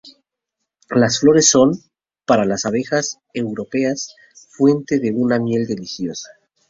Las flores son, para las abejas europeas, fuente de una miel deliciosa.